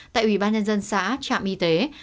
tại ubnd xã trạm y tế